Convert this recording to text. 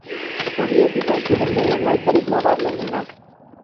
Horiek izan ziren bere emaitzarik nabarmenenak.